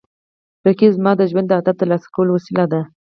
رقیب زما د ژوند د هدف ترلاسه کولو وسیله ده